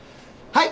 はい。